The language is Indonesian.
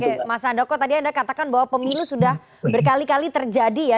oke mas andoko tadi anda katakan bahwa pemilu sudah berkali kali terjadi ya